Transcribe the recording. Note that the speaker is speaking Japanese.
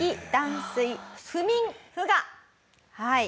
はい。